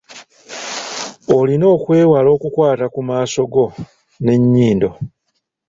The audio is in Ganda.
Olina okwewala okukwata ku maaso go n’ennyindo.